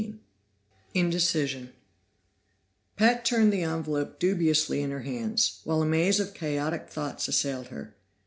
13 Indecision Pat turned the envelope dubiously in her hands, while a maze of chaotic thoughts assailed her.